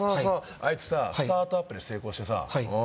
あいつさスタートアップで成功してさはい